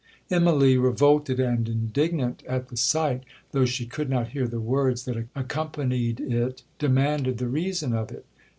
Immalee, revolted and indignant at the sight, though she could not hear the words that accompanied it, demanded the reason of it.